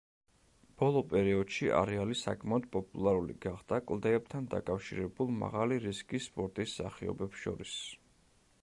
ბოლო პერიოდში არეალი საკმაოდ პოპულარული გახდა კლდეებთან დაკავშირებულ მაღალი რისკის სპორტის სახეობებს შორის.